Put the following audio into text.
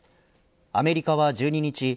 アメリカは１２日